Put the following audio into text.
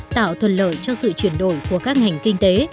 tạo thuận lợi cho sự chuyển đổi của các ngành kinh tế